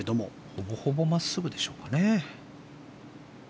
ほぼほぼ真っすぐでしょうかね。